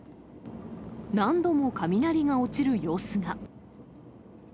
何度も雷が落ちる様子が。